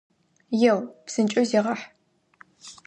Еу, псынкӏэу зегъахь!